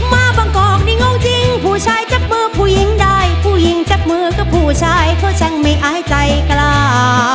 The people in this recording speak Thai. มาบางกอกนี่โง่ทิ้งผู้ชายจับมือผู้หญิงได้ผู้หญิงจับมือกับผู้ชายเพราะฉันไม่อายใจกล้า